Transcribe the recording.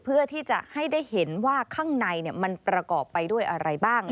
เพื่อที่จะให้ได้เห็นว่าข้างในมันประกอบไปด้วยอะไรบ้าง